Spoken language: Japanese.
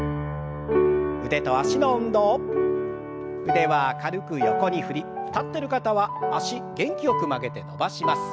腕は軽く横に振り立ってる方は脚元気よく曲げて伸ばします。